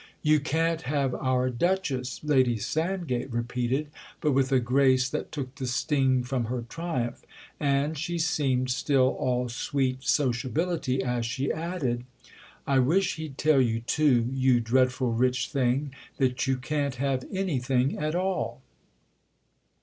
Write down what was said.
"You can't have our Duchess!" Lady Sandgate repeated, but with a grace that took the sting from her triumph. And she seemed still all sweet sociability as she added: "I wish he'd tell you too, you dreadful rich thing, that you can't have anything at all!"